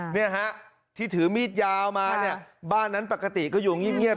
เนี่ยฮะที่ถือมีดยาวมาเนี่ยบ้านนั้นปกติก็อยู่เงียบ